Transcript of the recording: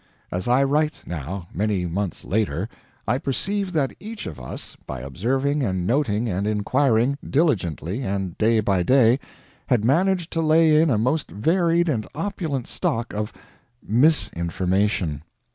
As I write, now, many months later, I perceive that each of us, by observing and noting and inquiring, diligently and day by day, had managed to lay in a most varied and opulent stock of misinformation.